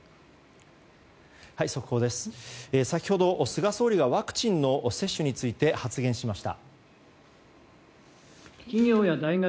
先ほど菅総理がワクチンの接種について発言しました。